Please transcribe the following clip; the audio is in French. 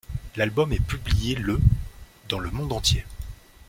L'album est publié le dans le monde entier.